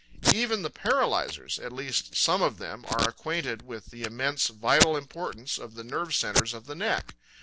Even the paralyzers, at least some of them, are acquainted with the immense vital importance of the nerve centres of the neck.